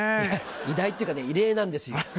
偉大っていうかね異例なんですよ。